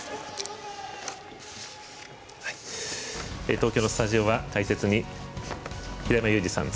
東京のスタジオは解説に平山ユージさん